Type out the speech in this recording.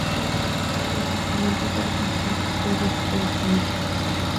Debido a este acontecimiento fue reconocido por todo los Estados Unidos.